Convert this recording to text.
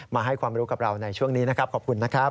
มาให้ความรู้กับเราในช่วงนี้นะครับขอบคุณนะครับ